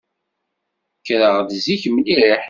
Kkreɣ-d zik mliḥ.